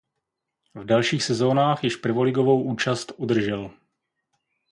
V dalších sezónách již prvoligovou účast udržel.